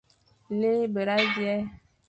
Lekh, bîra, vîe.